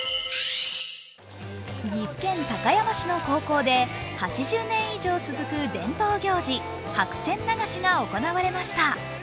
岐阜県高山市の高校で８０年以上続く伝統行事、白線流しが行われました。